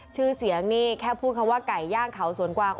ชื่อเสียงนี่แค่พูดคำว่าไก่ย่างเขาสวนกวาง